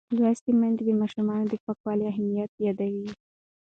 لوستې میندې د ماشومانو د پاکوالي اهمیت یادوي.